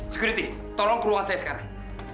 sekuriti tolong keluarkan saya sekarang